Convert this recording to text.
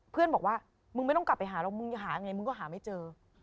เพื่อนบอกว่ามึงไม่ต้องกลับไปหาแล้วมึงจะหายังไงมึงก็หาไม่เจอ